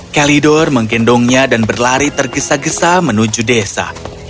kalidor menggendongnya dan berlari tergesa gesa menuju desa